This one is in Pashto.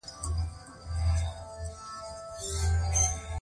شنه چای څښل ډیرې روغتیايي ګټې لري.